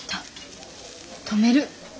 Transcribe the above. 止める。